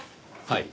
はい。